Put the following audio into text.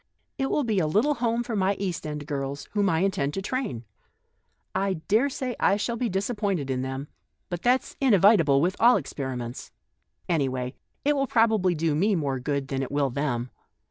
It will be a little home for my East End girls, whom I intend to train. I daresay I shall be disappointed in them, but that's inevitable with all experiments. Any way, it will probably do me more good than it will them.